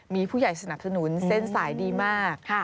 มีผู้ใหญ่สนับสนุนเส้นสายดีมาก